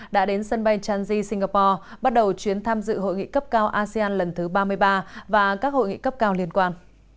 đã đến sân bay chanji singapore bắt đầu chuyến tham dự hội nghị cấp cao asean lần thứ ba mươi ba và các hội nghị cấp cao liên quan